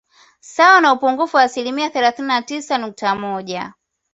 Sawa na upungufu wa asilimia thelathini na tisa nukta moja